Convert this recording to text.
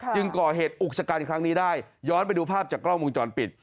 จึงก่อเหตุอุกชะกันครั้งนี้ได้ย้อนไปดูภาพจากกล้องวงจรปิด